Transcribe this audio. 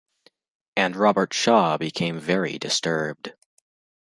And Robert Shaw became very disturbed.